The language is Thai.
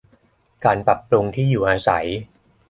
การปรับปรุงที่อยู่อาศัย